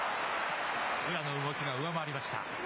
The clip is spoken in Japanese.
宇良の動きが上回りました。